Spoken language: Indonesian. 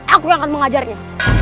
aku yang akan mengajarnya